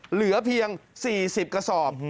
เหลือเพียง๔๐กระสอบ